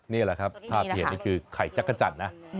นี่แหละครับภาพที่เห็นนี่คือไข่จักรจันทร์นะ